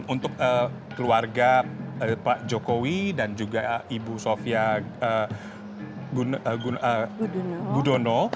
untuk keluarga pak jokowi dan juga ibu sofia gudono